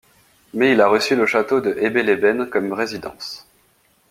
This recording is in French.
Mais il a reçu le Château de Ebeleben comme résidence.